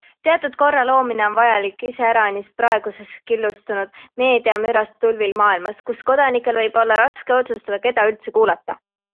Teatud korra loomine on vajalik iseäranis praeguses killustunud, meediamürast tulvil maailmas, kus kodanikel võib olla raske otsustada, keda üldse kuulata.